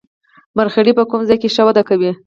مرخیړي په کوم ځای کې ښه وده کوي